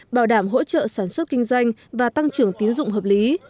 bảo đảm hỗ trợ sản xuất kinh doanh và tăng trưởng tiến dụng hợp lý